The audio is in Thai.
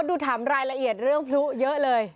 ดูถามรายละเอียดเรื่องพลุเยอะเลย